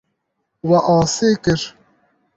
We asê kir.